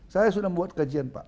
saya sudah membuat kajian pak